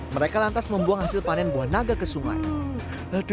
mereka lantas membuang hasil panen buah naga ke sungai